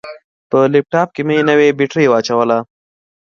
په لپټاپ کې مې نوې بطرۍ واچوله.